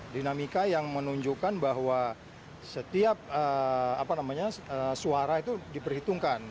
dinamika yang menunjukkan bahwa setiap suara itu diperhitungkan